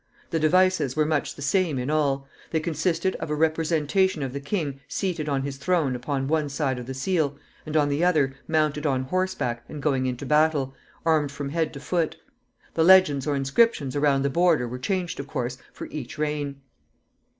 The devices were much the same in all. They consisted of a representation of the king seated on his throne upon one side of the seal, and on the other mounted on horseback and going into battle, armed from head to foot. The legends or inscriptions around the border were changed, of course, for each reign.